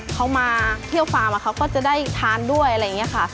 เขามาเที่ยวฟาร์มเขาก็จะได้ทานด้วยอะไรอย่างนี้ค่ะ